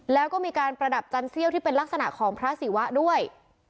แล้วก็มีการประดับจันเซี่ยวที่เป็นลักษณะของพระศิวะด้วย